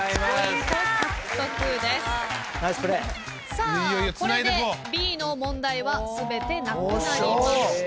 さあこれでＢの問題は全てなくなりました。